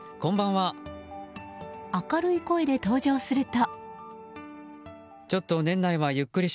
明るい声で登場すると。